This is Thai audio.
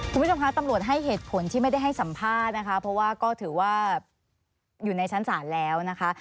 คุณผู้ชมคะตำรวจให้เหตุผลที่ไม่ได้ให้สัมภาษณ์นะคะเพราะว่าก็ถือว่าอยู่ในชั้นศาลแล้วนะคะ